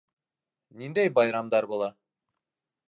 Ниндәй байрамдар була?